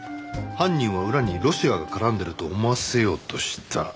犯人は裏にロシアが絡んでいると思わせようとした。